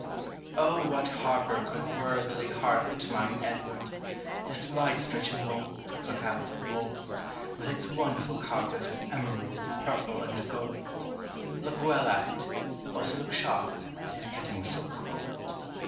O WHAT harper could worthily harp it, Mine Edward! this wide stretching wold (Look out wold) with its wonderful carpet Of emerald, purple, and gold! Look well at it—also look sharp, it Is getting so cold.